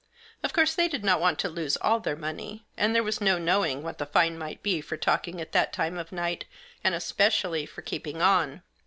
Of course they did not want to lose all their money, and there was Ho knowing what the fine might be for talking at that time of night, and especially for keeping on.